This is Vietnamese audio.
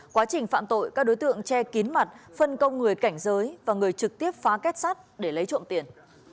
quá trình phạm tội các đối tượng che kín mặt phân công người cảnh giới và người trực tiếp phá kết sắt để lấy trộm tiền